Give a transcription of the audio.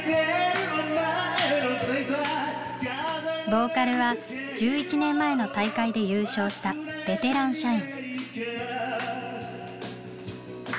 ボーカルは１１年前の大会で優勝したベテラン社員。